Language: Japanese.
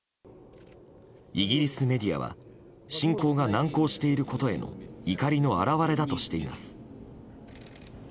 イギリスメディアは侵攻が難航していることへの怒りの表れだとしています。